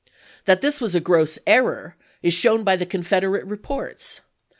That this was a gross error is shown by the Confederate re ports.